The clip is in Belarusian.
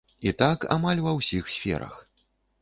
І так амаль ва ўсіх сферах.